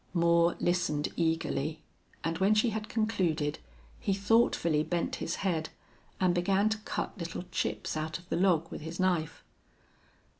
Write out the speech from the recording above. Moore listened eagerly, and when she had concluded he thoughtfully bent his head and began to cut little chips out of the log with his knife.